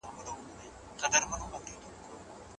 ځوانان او زلموټي کله مرسته غواړي؟